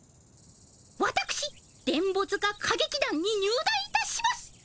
わたくし電ボ塚歌劇団に入団いたします！